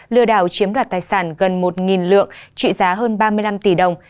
lừa đảo chiếm đoạt tài sản gần một lượng trị giá hơn ba mươi năm tỷ đồng